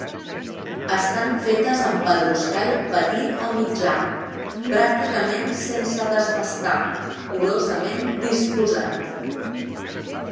Estan fetes amb pedruscall petit o mitjà, pràcticament sense desbastar, curosament disposat.